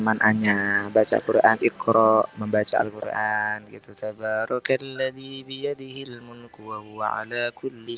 maknanya baca quran ikhroq membaca alquran gitu sabaroke leli biadihilmu nukuah waalaikulli